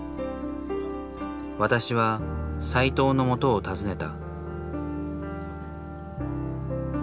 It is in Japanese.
私は斎藤のもとを訪ねた。